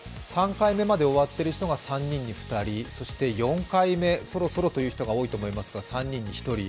３回目まで終わっている人が３人に２人、４回目、そろそろという人が多いと思いますが３人に１人。